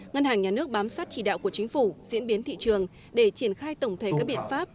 ngân hàng nhà nước bám sát chỉ đạo của chính phủ diễn biến thị trường để triển khai tổng thể các biện pháp